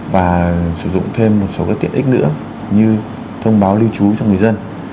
và sử dụng thêm một số tiện ích nữa như thông báo lưu trú cho người dân